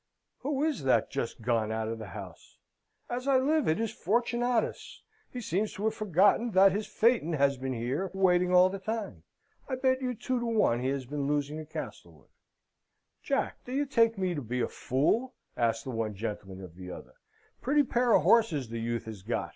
"Who is that just gone out of the house? As I live, it's Fortunatus! He seems to have forgotten that his phaeton has been here, waiting all the time. I bet you two to one he has been losing to Castlewood." "Jack, do you take me to be a fool?" asks the one gentleman of the other. "Pretty pair of horses the youth has got.